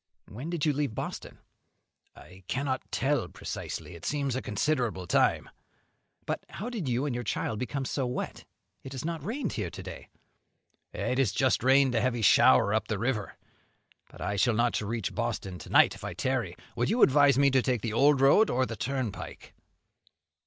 "When did you leave Boston?" "I cannot tell precisely; it seems a considerable time." "But how did you and your child become so wet? it has not rained here to day." "It has just rained a heavy shower up the river. But I shall not reach Boston to night if I tarry. Would you advise me to take the old road, or the turnpike?"